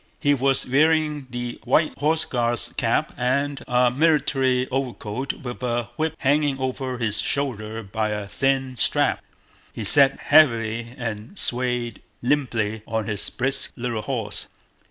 He was wearing the white Horse Guard's cap and a military overcoat with a whip hanging over his shoulder by a thin strap. He sat heavily and swayed limply on his brisk little horse.